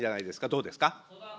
どうですか。